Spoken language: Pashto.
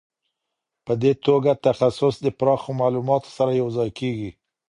په دې توګه تخصص د پراخ معلوماتو سره یو ځای کیږي.